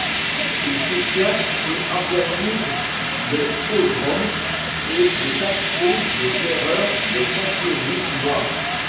Il soutient et organise les pogroms et les actions de terreur des Centuries noires.